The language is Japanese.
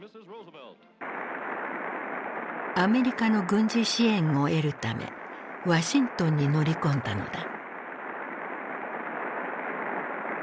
アメリカの軍事支援を得るためワシントンに乗り込んだのだ。